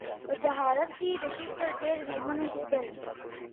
په جاهلیت کي د ښځو سره ډېر ظلمونه کېدل.